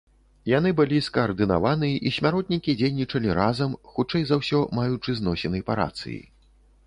Яны былі скаардынаваны і смяротнікі дзейнічалі разам, хутчэй за ўсё, маючы зносіны па рацыі.